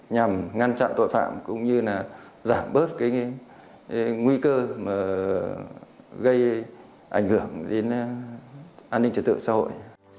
nhằm ngăn chặn tội phạm cũng như là giảm bớt cái nguy cơ mà gây ảnh hưởng đến an ninh trật tự xã hội